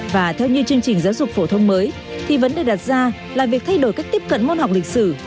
và theo như chương trình giáo dục phổ thông mới thì vấn đề đặt ra là việc thay đổi cách tiếp cận môn học lịch sử